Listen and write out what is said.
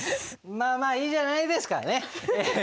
まあまあいいじゃないですか。